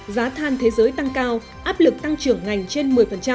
giá than thế giới tăng cao áp lực tăng trưởng ngành trên một mươi